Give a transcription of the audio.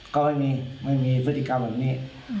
ก็ไม่มีไม่มีพฤติกรรมแบบนี้